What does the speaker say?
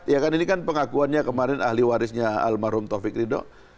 ya kan ini kan pengakuannya kemarin ahli warisnya almarhum taufik ridho